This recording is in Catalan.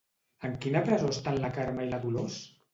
En quina presó estan la Carme i la Dolors?